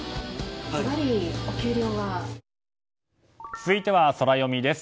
続いてはソラよみです。